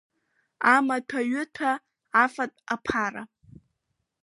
Амаҭәа-ҩыҭәа, афатә, аԥара…